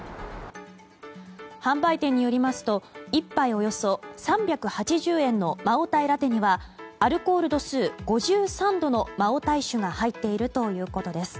販売店によりますと１杯およそ３８０円の茅台ラテにはアルコール度数５３度の茅台酒が入っているということです。